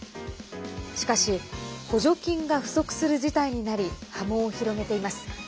しかし補助金が不足する事態になり波紋を広げています。